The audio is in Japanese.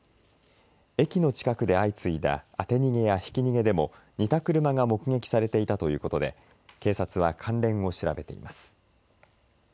駅の近くで相次いだ当て逃げやひき逃げでも似た車が目撃されていたということで警察は関連を調べています。